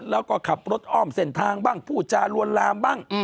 แล้วก็ขับรถอ้อมเส้นทางบ้างพูดจารวนลามบ้าง